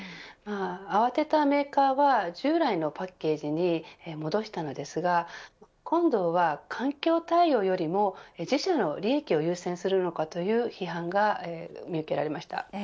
慌てたメーカーは従来のパッケージに戻したのですが今度は環境対応よりも自社の利益を優先するのかという批判が見受けられました。